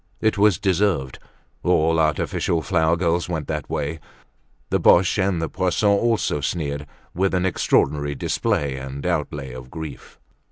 It was deserved; all artificial flower girls went that way. The Boches and the Poissons also sneered with an extraordinary display and outlay of grief.